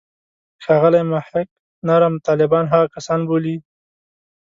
ښاغلی محق نرم طالبان هغه کسان بولي.